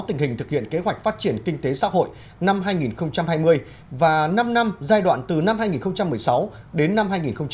tình hình thực hiện kế hoạch phát triển kinh tế xã hội năm hai nghìn hai mươi và năm năm giai đoạn từ năm hai nghìn một mươi sáu đến năm hai nghìn hai mươi